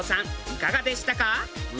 いかがでしたか？